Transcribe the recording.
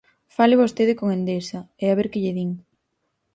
Fale vostede con Endesa e a ver que lle din.